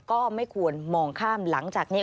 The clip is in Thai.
ก็ไม่ควรมองข้ามหลังจากนี้